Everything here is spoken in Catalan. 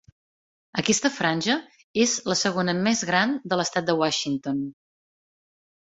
Aquesta franja és la segona més gran de l'estat de Washington.